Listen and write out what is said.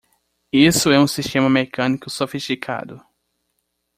Isso é um sistema mecânico sofisticado!